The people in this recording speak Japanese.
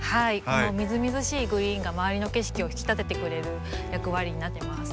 このみずみずしいグリーンが周りの景色を引き立ててくれる役割になってます。